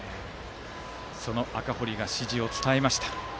その赤堀が指示を伝えました。